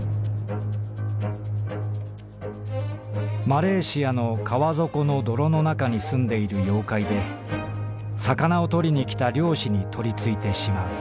「マレーシアの川底の泥のなかに棲んでいる妖怪で魚を捕りにきた漁師に取り憑いてしまう」。